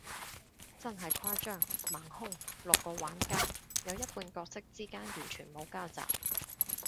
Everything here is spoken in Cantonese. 真係誇張，盲兇，六個玩家，有一半角色之間完全冇交集，